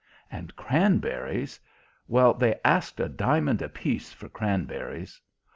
And cranberries well, they asked a diamond apiece for cranberries.